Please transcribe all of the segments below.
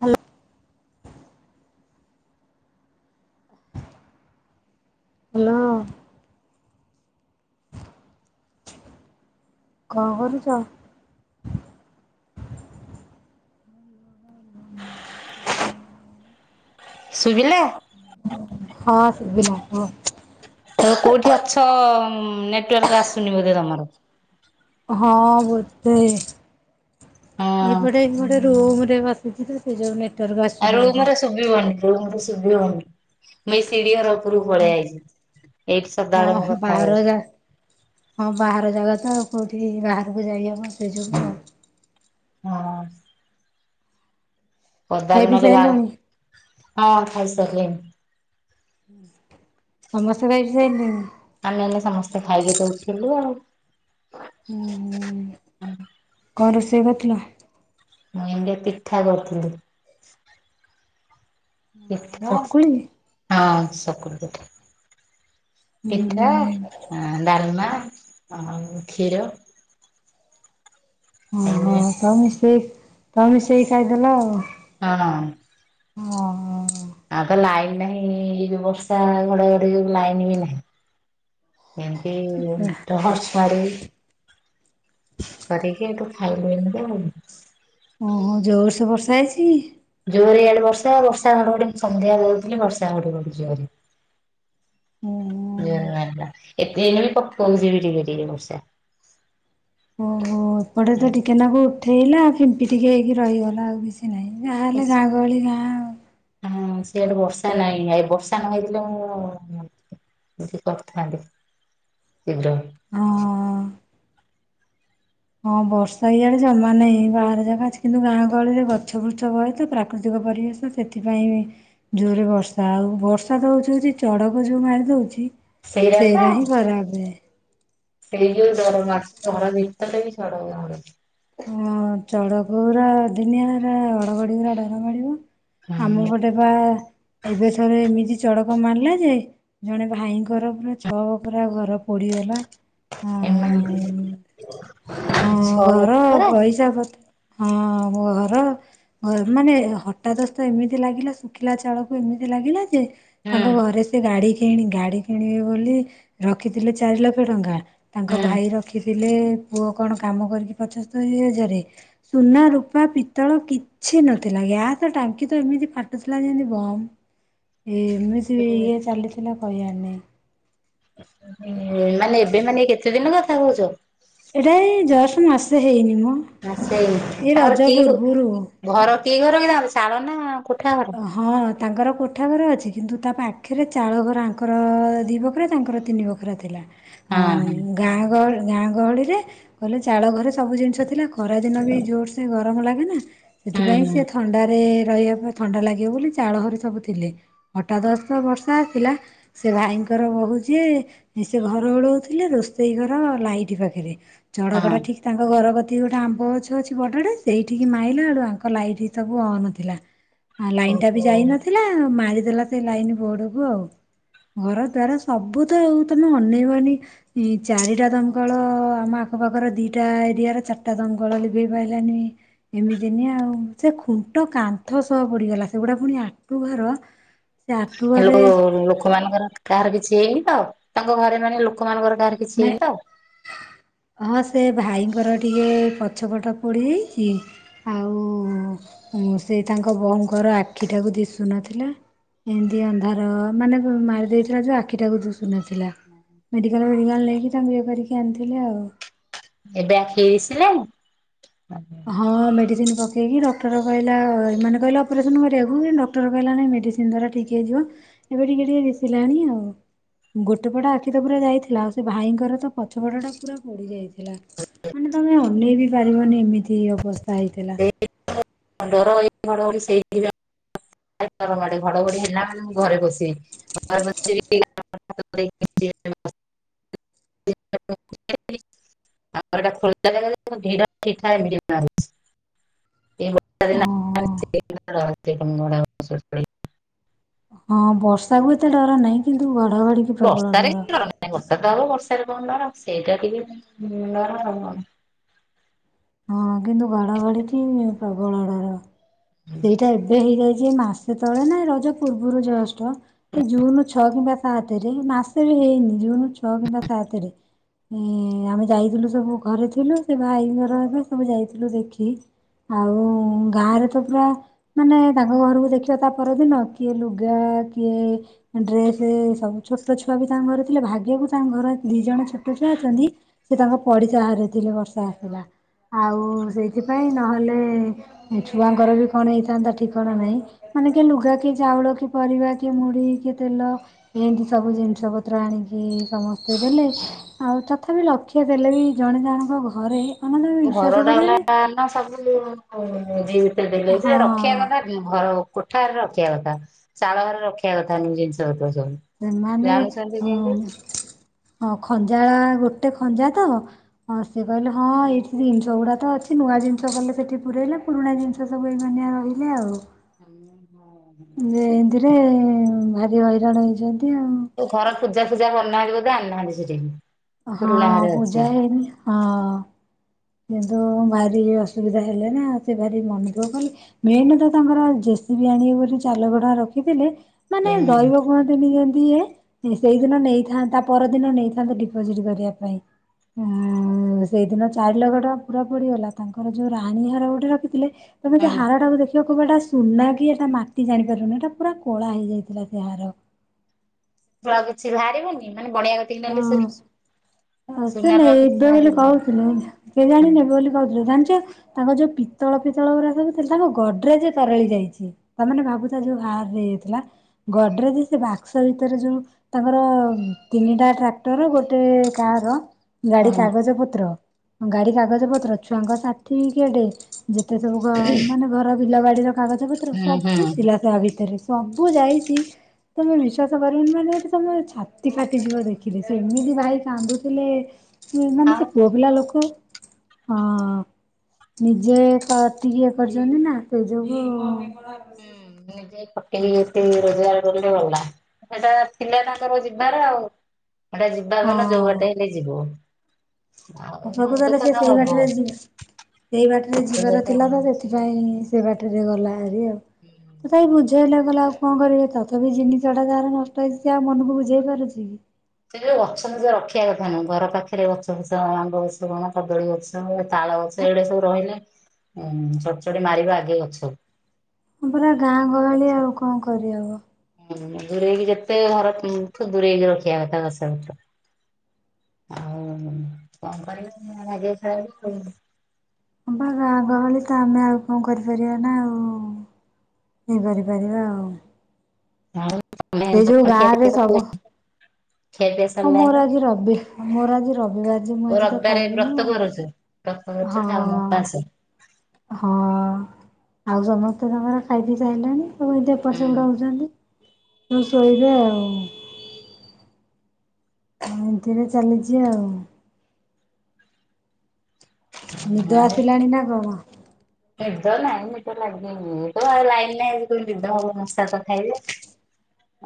Hello. Hello. କଣ କରୁଛ? ସୁଵିଲା। ହଁ ସୁଵିଲା ହଁ। କୋଉଠି ଅଛ ନେଟୱାର୍କ ଆସୁନି ବୋଧେ ତମର? ହଁ ଏବେ ଏପଟେ ଏପଟେ ରୁମ୍ ରେ ବସିଛି ତ ସେ ଯୋଉ ନେଟୱାର୍କ ଆଉ ଆସୁନି ରୁ ବୋଧେ। ମୋର ଶୁଭ ହନି ରୁମର ଶୁଭ ହନି ମୁ ଶିଡି ର ଉପକୁ ହଁ ପଳେଇ ଯାଇଛି। ହଁ ବାହାରା ହଁ ବାହାର ଜାଗା ତ କେଉଁଠି ବାହାରକୁ ଯାଇ ଆବ ସେ ଯୋଗୁଁ ପଦା ଖାଇ ବି ପିଇ ନହେଲେ ସାଇଲଣି? ବାହାର ହଁ ଖାଇସାରିଲେଣିି। ସମସ୍ତେ ଯାଇକି ସେ ଆମେ ଏ ସମସ୍ତେ ଖାଇକି ତ ଉଠିଲୁ ଆଉ। ଉଁ କଣ ରୋଷେଇ କଥିଲ? ମୁଇଁ ପିଠା କରିଥିଲି। [unintelligible] ଚକୁଳି? ଉଁ ପିଠା ହୁଁ ଡାଲମା ଆଉ କ୍ଷୀର। ଓହୋ ହଁ ତମେ ସେଇ ତମେ ସେଇ ଖାଇଦେଲ ଆଉ ହଁ। ହଁ। ଲାଇନ୍ ନାହିଁଏ ଯୋଉ ବର୍ଷା ଘଢ ଘଡି ଲାଇନ ବି ନାହିଁ। ଏଇ ଟହସ ମାଡି କରିକି ଏ ତୁ ଖାଇଲୁ ଏଇନିକା ଆଉ। ଓହୋ ଜୋରସେ ବର୍ଷା ହେଇଛି। ଜୋରେ ଏଆଡେ ବର୍ଷଉ ବର୍ଷା ଘଡଘଡି ମୁ ସନ୍ଧ୍ୟା ଦେହୁଥିଲି ବର୍ଷା ଘଡି ଜୋରେ। ଓହୋ ଏଇନା ଵି ପକଉଛି ଟିକେ ଟିକେ ବର୍ଷା। ହୁଁ। ଏପଟେ ତ ଟିକେନାକୁ ଉଠେଇଲା ଆଉ ଫିମ୍ପି ଟିକେ ହେଇକି ରହିଗଲା ଆଉ କିଛି କି ନାହିଁ ଯାହାହଲେ ଗାଁ ଗହଳି ଗାଁ। ହଁ ସେଆଡେ ବର୍ଷା ନହିଁ ବର୍ଷା ନ ହେଇଥିଲେ ମୁଁ କି କରିଥାନ୍ତି ଶୀଘ୍ର। ଆଉ ହଁ। ହଁ ବର୍ଷା ଏଇଆଡେ ଜମା ନାହିଁ ବାହାରେ ଜାଗା ଅଛି କିନ୍ତୁ ଗାଁ ଗହଳିରେ ଗଛ ଫୃଛ ବହ ତ ପ୍ରାକୃତିକ ପରିବେଶ ସେଥିପାଇଁ ଜୋରରେ ବର୍ଷା ଆଉ ବର୍ଷା ହଉଛି ହଉଛି ଚଡ଼କ ଯଉ ମାରିଦଉଛି। ସେଇରା ସେଇଟା ହିଁ ଖରାପେ। ସେଇଥି ଯୋଗୁଁ ଡର ମାଡ଼ୁଛି [unintelligible] ହଁ ଚଡ଼କ ଉରା ଅଦିନିଆରେ ହଡଘଡି ଉରା ଡର ମାଡିବ। ଆମ ହୁଁ ଘରେ ବା ଏବେ ଥରେ ଏମିତି ଚଡ଼କ ମାରିଲା ଯେ ଜଣେ ଭାଇଙ୍କର ପୁରା ଛଅ ବଖରା ଘର ପୋଡିଗଲା। ହଁ ଏମାନେ ଘର ବଖରା ପଇସା ପତ୍ର ହଁ ଘର ମାନେ ହଟାଦସ୍ତ ଏମିତି ଲାଗିଲା ଶୁଖିଲା ଚାଳକୁ ଏମିତି ଲାଗିଲା ଯେ ହୁଁ। ତାଙ୍କ ଘରେ ସେ ଗାଡି କିଣି ଗାଡି କିଣିବେ ବୋଲି ରଖିଥିଲେ ଚାରି ଲକ୍ଷ ଟଙ୍କା। ତାଙ୍କ ଭାଇ ରଖିଥିଲେ ପୁଅ କଣ କାମ କରିକି [unintelligible] ସୁନା ରୂପା ପିତ୍ତଳ କିଛି ନଥିଲା ଗ୍ୟାସ ଟାଙ୍କି ତ ଏମିତି ଫାଟୁଥିଲା ଯେମିତି ବମ୍। ଏ ଏମିତି ହୁଁ ଇଏ ଚାଲିଥିଲା କହିଆରନାହିଁ। ମାନେ ଏବେ ମାନେ କେତେ ଦିନ କଥା କହୁଛ? ଏଇଟା ଏଇ ଜଷ୍ଟ ମାସ ହେଇନି ମ ସେଇ ଏଇ ତାପରେ ରଜ କି ପୂର୍ବରୁ ଘର କି ଘର ହେରା ହବ ଚାଳ ନା କୋ ହଁ। ତାଙ୍କର କୋଠା ଘର ଅଛି କିନ୍ତୁ ତା ପାଖରେ ଚାଳ ଘର ଆଙ୍କର ଦି ବଖରା ତାଙ୍କର ତିନି ବଖରା ଥିଲା। ହଁ ଆଉ ଗାଁ ଗହଳି ଗାଁ ଗହଳିରେ କହିଲେ ଚାଳ ଘର ସବୁ ଜିନିଷ ଥିଲା ଖରା ଦିନ ବି ଜୋର ସେ ଗରମ ଲାଗେ ନା ହଁ ସେଥିପାଇଁ ହୁଁ ସିଏ ଥଣ୍ଡାରେ ରହିବା ପାଇଁ ଥଣ୍ଡା ଲାଗିବ ବୋଲି ଚାଳଘରେ ସବୁ ଥିଲେ ହଟାଦସ୍ତ ବର୍ଷା ଆସିଲା ସେ ଭାଇଙ୍କର ବହୁତ ଯେ ସେ ଘରଓଳଉ ଥିଲେ ରୋଷେଇ ଘର ଲାଇଟ୍ ପାଖେରେ। ଚଡ଼କ ଟା ହୁଁ ଠିକ ତାଙ୍କ ଘର କ ସେଠି ଗୋଟେ ଆମ୍ବ ଗଛ ଅଛି ବଡଟେ ସେଇଠିହିଁ ମାଇଲା ତାଙ୍କ ଲାଇଟ୍ ସବୁ ଅନ୍ ଥିଲା। ଆ ହଁ ଲାଇନ୍ ଟା ବି ଓହୋ। ଯାଇ ନଥିଲା ମାରିଦେଲା ସେ ଲାଇନ୍ ବୋଡକୁ ଆଉ। ଘର ଦ୍ଵାର ସବୁ ତ ଆଉ ତମେ ଅନେଇବନି ଚାରିଟା ଦମକଳ ଭଗବାନ। ଆମ ତାଙ୍କ ପାଖର ଦିଇଟା ଏରିଆର ଚାରିଟା ଦମକଳ ଲିଭେଇ ପାରିଲାନି ଏମିତି ନିଆଁ ଆଉ ସେ ଖୁ ଟ କାନ୍ଥ ସହ ପୋଡିଗଲା ସେଗୁଡ଼ା ପୁଣି ଆଟୁ ଘର। ସେ ଆଟୁ ହେ ଘରେ ଲୋକମାନଙ୍କର କାହାର କିଛି ହେଇନି ତ ତାଙ୍କ ଘରେ ମାନେ ଲୋକମାନଙ୍କର କାହାର ମାନେ କିିଛିହେଇନି ତ। ହଁ ସେ ଭାଇଙ୍କର ଟିକେ ପଛପଟ ପୋଡିଯାଇଛି। ଆଉ ସେ ତାଙ୍କ ବଉଙ୍କର ଆଖିଟାକୁ ଦିଶୁ ନଥିଲା। ଏମିତି ଅନ୍ଧାର ମାନେ ମାରି ଦେଇଥିଲା ଯେ ଆଖିଟାକୁ ଦୁଶୁ ନଥିଲା। ମେଡିକାଲ ମେଡିକାଲ ନେଇକି ତାଙ୍କୁ ଇଏ କରିକି ଆଣିଥିଲେ ଆଉ। ଏବେ ଆଖି ଦିଶିଲାଣି। ହଁ ମେଡିସିନ ପକେଇକି ଡକ୍ଟର କହିଲା ଏମାନେ କହିଲେ ଅପରେସନ କରିବାକୁ ଡକ୍ଟର କହିଲା ନାଇଁ ମେ ଡିସିନ୍ ଦ୍ଵାରା ଠିକ ହେଇଯିବ ଏବେ ଟିକେ ଟିକେ ଦିଶିଲାଣି ଆଉ ଗୋଟେ ପଟ ଆଖି ପୁରା ଯାଇଥିଲା ଆଉ ସେ ଭାଇଙ୍କ ଆଗର ତ ପଛପଟ ଟା ପୁରା ପୋଡି ଯାଇଥିଲା ମାନେ ତମେ ଅନେଇ ବିି ପାରିବନି ଏମିତି ଅବସ୍ଥା। ହେଇଥିଲା। [unintelligible] ଭାରି ଡରମାଡେ ଘଡଘଡି ହେଲା ମନେ ମୁଁ ଘରେ ବସେ [unintelligible] [inaudible] [unintelligible] [unintelligible] [unintelligible] ହଁ ବର୍ଷା କୁ ଏତେ ଡର ନାହିଁ କିନ୍ତୁ ଘ ବର୍ଷାରେ କିଛି ଡରନାହିଁ ବର୍ଷା ତ ହବ ବର୍ଷା ର୍ଷାରେ କଣ ଡର ସେଇଟା ଟିକେ ଡର ଆଉ କଣ? ହଁ କିନ୍ତୁ ଘଡଘଡିକି ପ୍ରବଳ ଡର। ସେଇଟା ଏବେ ହେଇଯାଇଛି ଯେ ମାସେ ତଳେ ନା ରଜ ପୂର୍ବରୁ ଜଷ୍ଟ। ଏ ଜୁନ ଛଅ କିମ୍ବା ସାତେରେ, ମାସେ ବି ହେଇନି, ଜୁନୁ ଛଅ କିମ୍ବା ସାତେରେ। ଏ ଆମେ ଯାଇଥିଲୁ ସବୁ ଘରେ ଥିଲୁ, ସେ ଭାଇ ଘର ହେବେ ସବୁ ଯାଇଥିଲୁ ଦେଖି ଆଉ ଗାଁରେ ତ ପୁରା, ମାନେ ତାଙ୍କ ଘରକୁ ଦେଖିବା ତା ପରଦିନ କିଏ ଲୁଗା, କିଏ ଡ୍ରେ ସେ, ସବୁ ଛୋଟଛୁଆ ବି ତାଙ୍କ ଘରେ ଥିଲେ, ଭାଗ୍ୟକୁ ତାଙ୍କ ଘର ଦି ଜଣ ଛୋଟଛୁଆ ଅଛନ୍ତି, ସେ ତାଙ୍କ ପଡ଼ିଶା ଘରେ ଥିଲି ବର୍ଷା ଆସିଲା। ଆଉ ସେଇଥିପାଇଁ ନହେଲେ ଛୁଆଙ୍କର ବି କଣ ହେଇଥାନ୍ତା ଠିକଣା ନାହିଁ। ମାନେ କିଏ ଲୁଗା, କିଏ ଚାଉଳ, କିଏ ପରିବା, କିଏ ମୁଢ଼ୀ, କିଏ ତେଲ ଲ, ଏନ୍ତି ସବୁ ଜିନିଷ ପତ୍ର ଆଣିକି ସମସ୍ତେ ଦେଲେ, ଆଉ ତଥାପି ଲକ୍ଷେ ହେଲେ ବି ଜଣେ ଜଣଙ୍କ ଘରେ ମାନେ ତମେ ବିଶ୍ୱାସ ଘରଟା ହେଲା କରିବନି ନା ସବୁ ଜିନ ଷ ଦେଲେ ସେଇଟା ହଁ ରଖିଆ କଥା ଘର ଓ କୋଠାଘରେ ରଖିବା କଥା। ଚାଳ ଘରେ ରଖିବା କଥା ନୁହେ ଜିନିଷ ପତର। ସେମାନେ ଉମ୍ ଖଞ୍ଜାଳା ଗୋଟେ ଖଞ୍ଜା ତ, ସିଏ କହିଲେ ହଁ ଏଠି ଜିନିଷ ଗୁଡ଼ା ତ ଅଛି ନୂଆ ଜିନିଷ କଲେ ସେଠି ପୂରେଇଲେ ପୁରୁଣା ଜିନିଷ ସବୁ ଏଇ ମାନିଆ ରହିଲେ ଆଉ। ହଁ ଉଁ ଉଁ ଯେ ଏନ୍ତିରେ ଭାରି ହଇରାଣ ହେଇଚନ୍ତି ଆଉ। ଯୋଉ ଘର ପୂଜା ଫୂଜା କରିନାହାଁନ୍ତି ବୋଧେ ଆଣିନାହାଁନ୍ତି ସିଠିକି। ହଁ ପୂଜା ହେଇନି ହଁ। କିନ୍ତୁ ଭାରି ଅସୁବିଧା ହେଲେ ନା, ସେ ଭାରି ମନଦୁଃଖ କଲେ, ମେନ ତ ତାଙ୍କର ଜେସି ବି ଆଣିବେ ବୋଲି ଚାରିଲକ୍ଷ ଟଙ୍କା ରଖିଥିଲେ, ମାନେ ଦଇବ ଏମାନେ କୁହନ୍ତିନି ଯେନ୍ତି କିଏ? ସେଇଦିନ ନେଇଥାନ୍ତା, ତା ପରଦିନ ନେଇଥାନ୍ତୁ ଡିପୋଜିଟ କରିବା ପାଇଁ। ହଁ ସେଇଦିନ ଚାରି ଲକ୍ଷ ଟଙ୍କା ପୁରା ପୋଡ଼ିଗଲା। ତାଙ୍କର ଯୋଉ ରାଣୀ ହାର ଗୋଟେ ରଖିଥିଲେ, ତମେ ସେ ହାରଟାକୁ ଦେଖିବ ତୁ କହିବୁ ଏଟା ସୁନା କି, ଏଟା ମାଟି ଜାଣିପାରୁନି। ଏଇଟା ପୁରା କଳା ହେଇଯାଇଥିଲା ସେ ହାର। ସେଥିରୁ ଆଉ କିଛି ବାହାରିବନି, ମାନେ ବଣିଆ କତିକି ନେଲେ ସେ ସୁ ହଁ ସେ ନେ ବେ ବେଲି କହୁଥିଲେ, କେଜାଣି ହୁଁ ନେବେ ବେଲି କହୁଥିଲେ ଯୋଉ ଜାଣିଚ, ତାଙ୍କ ଯୋଉ ପିତ୍ତଳ ଫିତ୍ତଳ ଗୁରାକ ସବୁ ତାଙ୍କ ଗଡ଼ରେଜେ ତରଳି ଯାଇଛି। ତା ମାନେ ଭାବୁଥା ଏତା ଯୋଉ ହାର ନେଇଯାଇଥିଲା, ଗଡରେଜ୍ ସେ ବାକ୍ସ ଭିତରେ ଯୋଉ ତାଙ୍କର ତିନିଟା ଟ୍ରାକ୍ଟର, ଗୋଟେ କାର, ଗାଡି ହୁଁ କାଗଜ ପତ୍ର ଗାଡି କାଗଜ ପତ୍ର, ଛୁଆଙ୍କ ସାର୍ଟିଫିକେଟେ, ଯେତେ ସବୁ ଘ ମାନେ ଘର ବିଲ ବାଡିର କାଗଜ ପତ୍ର ସବୁ ହୁଁ ଥିଲା ତା ଭିତରେ, ସବୁ ଯାଇଚି ତମେ ବିଶ୍ଵାସ କରିବନି ମାନେ ଏଠି ତମେ ଛାତି ଫାଟିଯିବ ଦେଖିଲେ, ସେ ଏମିତି ଭାଇ କାନ୍ଦୁଥିଲେ ମାନେ ଆଉ ସେ ପୁଅ ପିଲା ଲୋକ ହଁ ନିଜେ କଟିକି ଇଏ କରିଚନ୍ତି ନା, ସେଇ ଯୋଗୁ ଏ ଏତେ ରୋଜଗାର କରିଥିଲେ ଗଲା। ସେଟା ଥିଲା ତାଙ୍କର ଯିବାର ଆଉ ହେଟା ଯିବା ଗଲା ଯୋଉ ବାଟେ ହେଲେ ଯିବ। ହଁ ଆଉ ମନ ପ୍ରକୃତରେ ଦୁଃଖ ସେ ତ ସେଇ ହବ ବାଟରେ ଯିବ ସେଇ ବାଟରେ ମନ ଦୁଃଖ ଯିବାର ଥିଲା ତ, ସେଥିପାଇଁ ସେଇ ବାଟରେ ଗଲା ହାରି ଆଉ। ତଥାପି ବୁଝା ହେଲା ଗଲା ଆଉ କଣ କରିବେ? ତଥାପି ଜିନିଷ ଟା ଯାହାର ନଷ୍ଟ ହେଇଛି ଆଉ ମନକୁ ବୁଝେଇ ପାରୁଛି କି। ସେଇ ଯୋଉ ଗଛ ଫଛ ରଖିବା କଥା ନୁହଁ, ଘର ପାଖରେ ଗଛ ଫଛ ଆମ୍ବ ଗଛ କଣ, କଦଳୀ ଗଛ, ତା ତାଳ ଗଛ, ଏଗୁଡା ସବୁ ରହିଲେ, ଉମ୍ ଚଡ ଚଡି ମାରିବ ଆଗେ ଗଛକୁ। ହଁ ପରା ଗାଁ ଗହଳି ଗଛ ଆଉ କଣ କରିହବ? ହୁଁ ଦୂରେଇକି ଯେତେ ଘର ଠୁ ଦୂରେଇକି ରଖିଆ କଥା ଗଛ ପଛ। ଆଉ କଣ କରିବ [unintelligible] ହଁ ବା ଗାଁ ଗହଳି ତ ଆମେ ଆଉ କଣ କରିପାରିବା, ନା ଆଉ ଇଏ କରିପାରିବା ଆଉ। ସେଇ ଯୋଉ ଗାଁରେ ସବୁ [unintelligible] ହଁ ସରିଲାଣି ମୋର ନା? ଆଜି ରବି ମୋର ଆଜି ରବି ମୁଁ ଆଜି ମୁଁ ଓ ଆଜି ତ ରବିବାରେ ଖାଇବିନି ବ୍ରତ କରୁଛୁ ବ୍ରତ ଆଉ କରୁଛୁ ଖାଉନୁ ହଁ। ଉପାସ। ହଁ। ଆଉ ସମସ୍ତେ ତାଙ୍କର ଖାଇ ପିଇ ସାରିଲାଣି ସବ ଏ ଏପଟେ ସେପଟ ହୁଁ ହଉଛନ୍ତି। ହୁଁ ଶୋଇବେ ଆଉ। ହଁ ଏମିତିରେ ଚାଲିଛି ଆଉ। ନିଦ ଆଉ ଆସିଲାଣି ନା କଣ? ନିଦ ନାଇଁ ନିଦ ଲାଗିନି ତ ଆଉ ଲାଇନ ନାଇଁ ନିଦ ହବ ମସା ତ ଖାଇଲେ।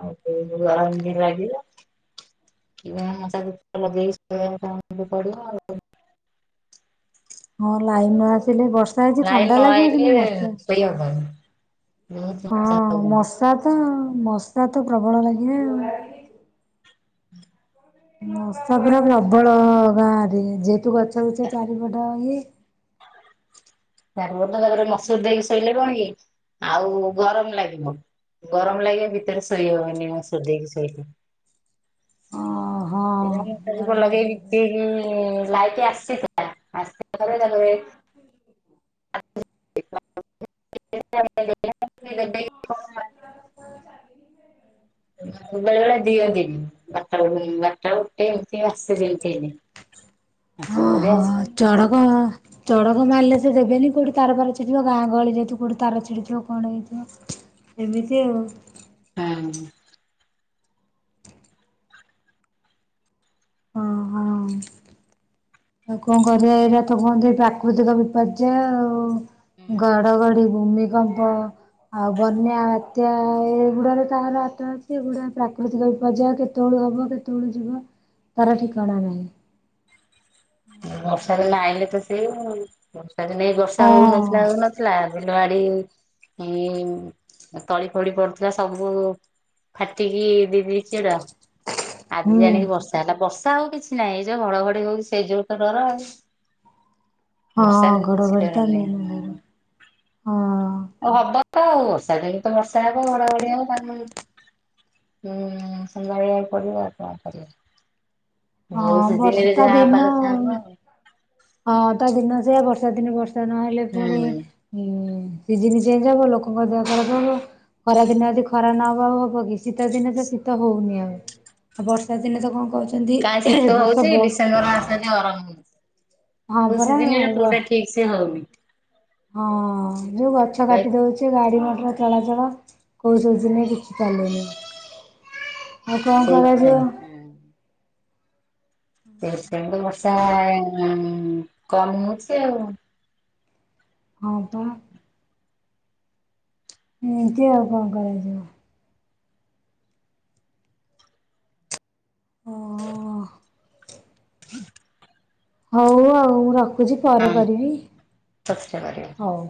ଆଉ ଅରଙ୍ଗୀରାଗିଲା। ମଶା ଧୂପ ଲଗେଇକି ଶୋଇବାକୁ ଚାହୁଁଛ ତ ପଡିବ ଆଉ। ହଁ ଲାଇନ ନ ଆସିଲେ ବର୍ଷା ହେଇଛି ଲାଇନ ଥଣ୍ଡା ନ ଲାଗିବ ଆଇଲେ କିନ୍ତୁ ମଶା। ଶୋଇ ହବନି। ହଁ ବହୁତ ମଶା ତ ମଶା ତ ପ୍ରବଳ ଲାଗେ ଆଉ। [inaudible] ମଶା ପୁରା ପ୍ରବଳ ଗାଁରେ ଯେହେତୁ ଗଛ ଗଛ ଚାରିପଟ ର ତାପରେ ମସୁର ଦେଇକି ଶୋଇଲେ କଣ କି ଆଉ ଗରମ ଲାଗିବ। ଗରମ ଲାଗେ ଭିତରେ ଶୋଇ ହବନି ମସୁରି ଦେଇକି ଶୋଇଲେ। ଓହୋ କ ଗରମ ଲାଗେ ଲାଗିଲେ [unintelligible] ଲାଇଟ୍ ଆସଛି ଆସି ପରେ ତା ପରେ [unintelligible] ବେଳେ ବେଳେ ଦିଅନ୍ତି ନିଜ ବାରଟା ଗୋଟେ ଆସେ [unintelligible] ଆଚ୍ଛା ଓହୋ ଓ ଚଡ଼କ ଚଢକ ମାରିଲେ ସେ ଦେବେନି କୋଉଠି ତାର ପାର ଛିଡିଥିବ ଗାଁ ଗହଳି ଯାଇଥିବ କୋଉଠି ତାର ଛିଡିଥିବ କଣ ହେଇଥିବ? ଏମିତି ଆଉ। ହଁ। ଓହୋ ଆଉ କଣ କରିବା ଏଇଟା ତ କୁହନ୍ତି ଏଇ ପ୍ରାକୃତିକ ବିପର୍ଯ୍ୟୟ ଆଉ। ଘଡ ଘଡି, ଭୂମିକମ୍ପ ଆଉ ବନ୍ୟା, ବାତ୍ୟା ଏଗୁଡ଼ାରେ କାହାର ହାତ ଏଗୁଡା ପ୍ରାକୃତିକ ବିପର୍ଯ୍ୟୟ କେତେ ହବ କେତେବେଳେ ଯିବ ତାର ଠିକଣା ନାହିଁ। ବର୍ଷା ଦିନ ଆଇଲେ ତ ସେ ବର୍ଷା ଦିନେ ବର୍ଷା ହଁ ହଉନଥିଲା ହଉ ନଥିଲା ଆ ଆଡି ତଳି ଫଳି ପଡୁଥିଲା ସବୁ ଫାଟିକି ଦେଇ ଦେଇଛି ଏଡା। ଆଜି ହୁଁ ଜାଣିକି ବର୍ଷା ହେଲା ବର୍ଷା ହଉ କିଛି ନାହିଁ ଏଇ ଯୋଉ ଘଡଘଡି ହଉଛି ସେଇ ଯୋଗୁଁ ତ ଡର। ହଁ ବର୍ଷା କିଛି ଡର ଘଡ଼ଘଡ଼ିଟା ନାହିଁ [unintelligible] ଘର ହଁ ଆଉ ହବ ତ ଆଉ ବର୍ଷା ଦିନ ତ ବର୍ଷା ହବ ଘଡାଘଡି ହବ। ହୁଁ ସନ୍ଦ୍ୟବେଳିଆ ଇଏ କରିବା ଆଉ କଣ କରିବା? ଯୋଉ ହଁ ସିଜିନରେ ବର୍ଷା ଯାହା ହବା ଦିନ କଥା ଆଉ। ହବ ହଁ ତା ଦିନ ସେଆ ବର୍ଷା ଦିନେ ବର୍ଷା ନହେଲେ ପୁଣି ହୁଁ। ଉ ସିଯିନ ଚେଞ୍ଜ ହବ ଲୋକଙ୍କ ଦେହ ଖରାପ ହବ ଖରା ଦିନ ଯଦି ଖରା ନହବ ହବ କି? ଶୀତ ଦିନେ ତ ଶୀତ ହଉନି ଆଉ ଆଉ ବର୍ଷା ଦିନେ ତ କଣ କହୁଛନ୍ତି କାଇଁ ଶୀତ ବର୍ଷା ହଉଛି ଡିସେମ୍ବର ମାସରେ ଗରମ ହଉଛି। ହଁ କୋଉ ପରା [unintelligible] ସିଜିନରେ କୋଉଟା ଠିକ ସେ ହଉନି ହଁ ଯୋଉ ଗଛ ବା କାଟି ଦଉଛି ଗାଡି ମଟ ଚଳାଚଳ କୋଉ ସିଜିନରେ ଦେଖି ପାରିଲେ ନାହିଁ। ଆଉ କଣ କରାଯିବ? ସେଇଥିପାଇଁ ସେ ସେ ବର୍ଷା କମ ହଉଛି ଆଉ। ହଁ ପା। ଏମିତି ଆଉ କଣ କରାଯିବ? ଓହୋ ହୋ। ହଉ ଆଉ ମୁଁ ରଖୁଛି ପରେ ହଁ କରିବି ପଛରେ କରିବା। ହଉ।